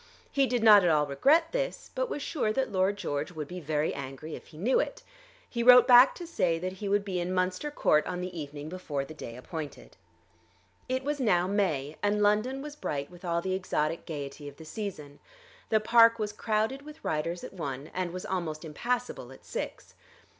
He did not at all regret this, but was sure that Lord George would be very angry if he knew it. He wrote back to say that he would be in Munster Court on the evening before the day appointed. It was now May, and London was bright with all the exotic gaiety of the season. The park was crowded with riders at one, and was almost impassable at six.